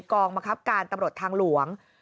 กองบังคับการตำรวจทางหลวง